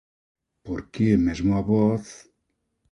Porque mesmo a voz...